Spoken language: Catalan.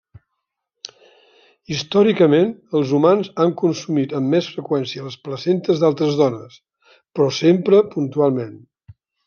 Històricament, els humans han consumit amb més freqüència les placentes d'altres dones, però sempre puntualment.